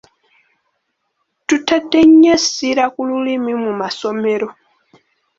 Tutadde ennyo essira ku lulimi mu masomero.